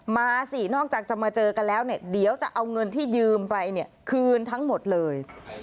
มาสินอกจากจะมาเจอกันแล้วเนี่ยเดี๋ยวจะเอาเงินที่ยืมไปเนี่ยคืนทั้งหมดเลย